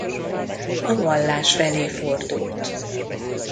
A vallás felé fordult.